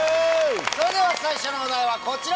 それでは最初のお題はこちら！